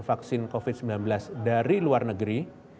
vaksin covid sembilan belas dari luar negeri